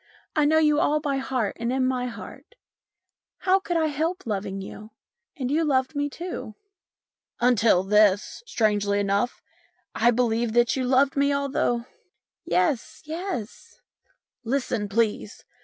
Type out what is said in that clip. I know you all by heart and in my heart. How could I help loving you ? And you loved me too." " Until this, strangely enough, I believed that you loved me, although " "Yes, yes." "Listen, please.